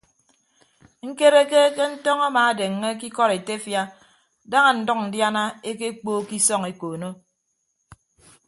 Ñkereke ke ntọñ amaadeññe ke ikọd etefia daña ndʌñ ndiana ekpookko isọñ ekoono.